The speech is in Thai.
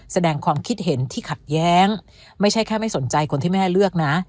แสดงความคิดเห็นที่ขัดแย้งไม่ใช่แค่ไม่สนใจคนที่แม่เลือกนะ